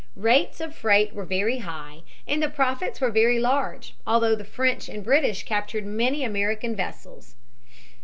Rates of freight were very high and the profits were very large, although the French and the British captured many American vessels.